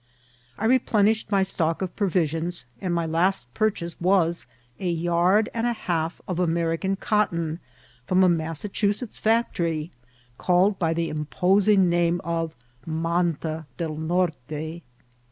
I replenished my stock of provisions, and my last purchase was a yard and a half of American cotton from a Massachusetts feustory, called by the imposing name of Manta del Norte.